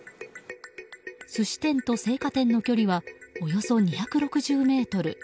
寿司店と青果店の距離はおよそ２６０ｍ。